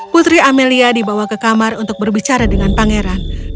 putri amelia dibawa ke kamar untuk berbicara dengan pangeran